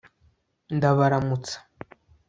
ndabaramutsa